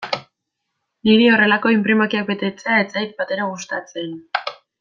Niri horrelako inprimakiak betetzea ez zait batere gustatzen.